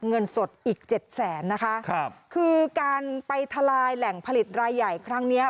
เงินสดอีกเจ็ดแสนนะคะครับคือการไปทลายแหล่งผลิตรายใหญ่ครั้งเนี้ย